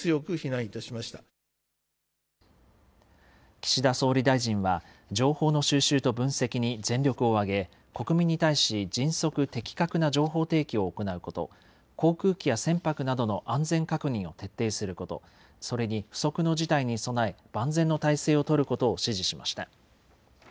岸田総理大臣は、情報の収集と分析に全力を挙げ、国民に対し、迅速・的確な情報提供を行うこと、航空機や船舶などの安全確認を徹底すること、それに不測の事態に備え、万全の態勢を取ることを指示しました。